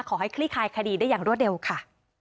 ขอให้คลิคคายคดีได้อย่างรวดเร็วค่ะ